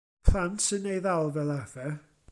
Plant sy'n ei ddal fel arfer.